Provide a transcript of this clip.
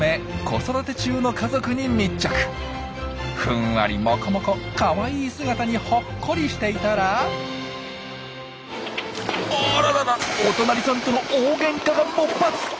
ふんわりモコモコかわいい姿にほっこりしていたらあらららお隣さんとの大げんかが勃発！